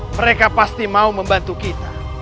mereka pasti mau membantu kita